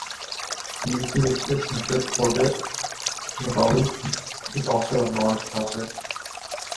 Due to its eccentric orbit, "McAuliffe" is also a Mars-crosser.